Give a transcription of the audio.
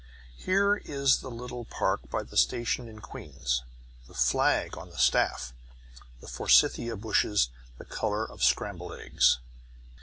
Here is the little park by the station in Queens, the flag on the staff, the forsythia bushes the colour of scrambled eggs.